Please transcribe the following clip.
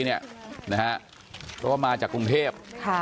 เพราะว่ามาจากกรุงเทพ